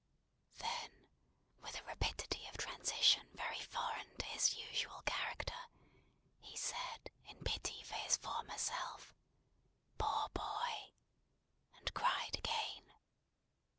Then, with a rapidity of transition very foreign to his usual character, he said, in pity for his former self, "Poor boy!" and cried again.